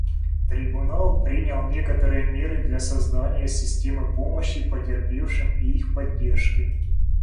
Трибунал принял некоторые меры для создания системы помощи потерпевшим и их поддержки.